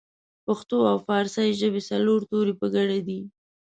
پښتو او پارسۍ ژبې څلور توري په ګډه دي